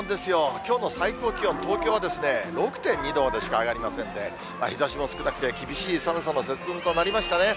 きょうの最高気温、東京は６．２度までしか上がりませんで、日ざしも少なくて、厳しい寒さの節分となりましたね。